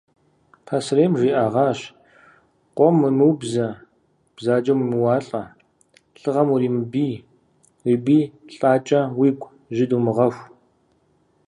Пасэрейм жиӏэгъащ: къуэм уемыубзэ, бзаджэм уемыуалӏэ, лӏыгъэм уримыбий, уи бий лӏакӏэ уигу жьы думыгъэху.